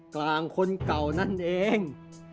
กลางคนเก่านั่นเอง